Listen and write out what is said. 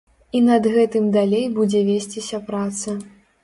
І над гэтым далей будзе весціся праца.